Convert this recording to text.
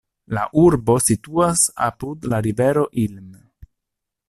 La urbo situas apud la rivero Ilm.